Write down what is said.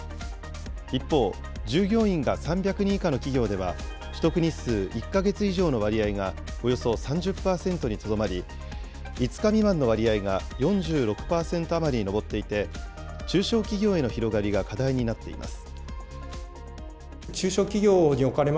一方、従業員が３００人以下の企業では、取得日数１か月以上の割合がおよそ３０％にとどまり、５日未満の割合が４６％余りに上っていて、中小企業への広がりが課題になっています。